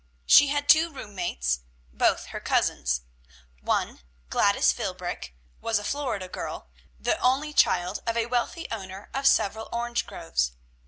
She had two room mates, both her cousins; one, Gladys Philbrick, was a Florida girl, the only child of a wealthy owner of several orange groves.